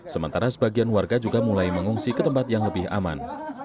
sementara sebagian warga juga mulai mengungsi ke tempat yang lebih aman